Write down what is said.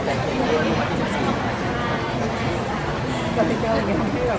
ช่องความหล่อของพี่ต้องการอันนี้นะครับ